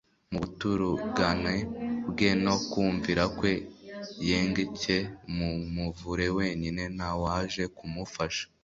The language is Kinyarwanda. Mu buturugane bwe no kumvira kwe, yengcye mu muvure wenyine, nta waje kumufasha.